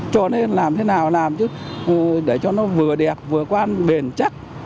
cho nên làm thế nào làm chứ để cho nó vừa đẹp vừa quan bền chắc